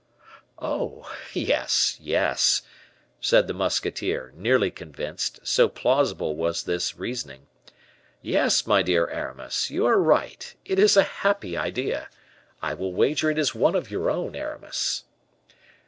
"Oh! yes, yes," said the musketeer, nearly convinced, so plausible was this reasoning. "Yes, my dear Aramis, you are right; it is a happy idea. I will wager it is one of your own, Aramis."